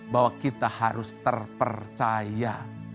bahwa kita harus terpercaya